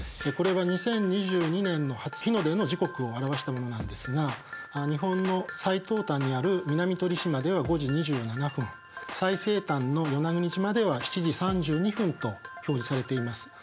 これは２０２２年の初日の出の時刻を表したものなんですが日本の最東端にある南鳥島では５時２７分最西端の与那国島では７時３２分と表示されています。